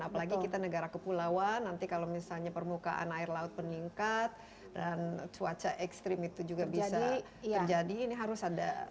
apalagi kita negara kepulauan nanti kalau misalnya permukaan air laut meningkat dan cuaca ekstrim itu juga bisa terjadi ini harus ada